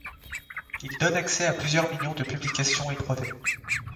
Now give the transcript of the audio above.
Il donne accès à plusieurs millions de publications et brevets.